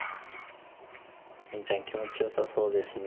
テンちゃん気持ちよさそうですね。